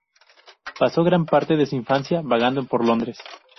Pasó gran parte de su infancia vagando por Londres.